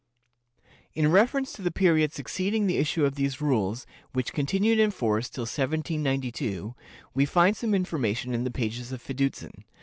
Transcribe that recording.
In reference to the period succeeding the issue of these rules, which continued in force till 1792, we find some information in the pages of Fiducin.